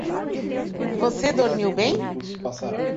Você dormiu bem?